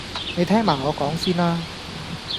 你聽埋我講先啦